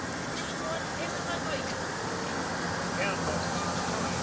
"'Tis wan hell av a night!" McCann lost some time.